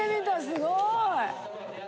すごい！